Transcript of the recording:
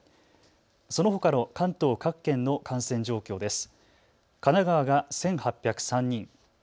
そのほかの関東各県の感染状況です。